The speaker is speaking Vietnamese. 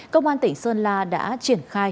công an tỉnh sơn la đã triển khai